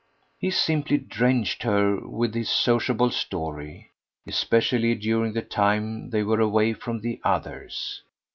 He simply drenched her with his sociable story especially during the time they were away from the others.